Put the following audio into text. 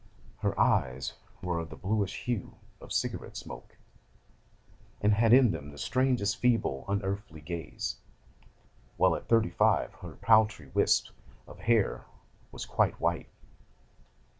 Her eyes were of the bluish hue of cigarette smoke, and had in them the strangest, feeble, unearthly gaze; while at thirty five her paltry wisp of hair was quite white.